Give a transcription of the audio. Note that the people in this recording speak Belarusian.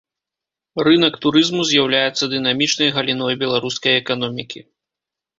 Рынак турызму з'яўляецца дынамічнай галіной беларускай эканомікі.